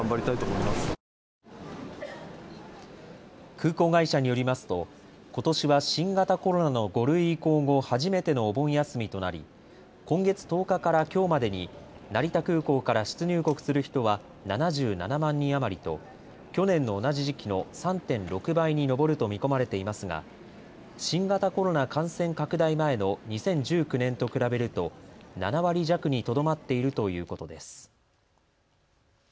空港会社によりますとことしは新型コロナの５類移行後初めてのお盆休みとなり今月１０日からきょうまでに成田空港から出入国する人は７７万人余りと去年の同じ時期の３．６倍に上ると見込まれていますが新型コロナ感染拡大前の２０１９年と比べると７割弱にとどまっているということです。